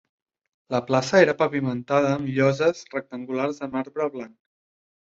La plaça era pavimentada amb lloses rectangulars de marbre blanc.